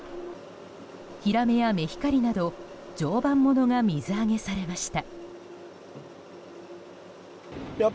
ヒラメやメヒカリなど常磐ものが水揚げされました。